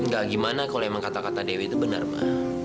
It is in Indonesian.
gak gimana kalau emang kata kata dewi itu benar pak